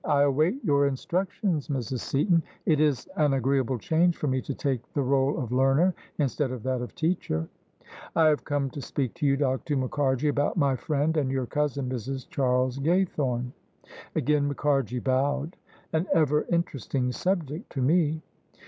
" I await your instructions, Mrs. Seaton. It is an agreeable change for me to take the role of learner instead of that of teacher." " I have come to speak to you, Dr. Mukharji, about my friend, and your cousiti, Mrs. Charles Gaythome." Again Mukharji bowed. "An ever interesting subject to me."